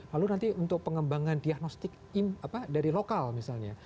lalu nanti untuk pengembangan diagnostik dari lokal misalnya